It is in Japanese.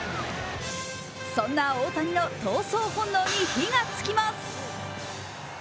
そんな大谷の盗走本能に火がつきます。